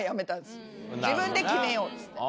自分で決めようって。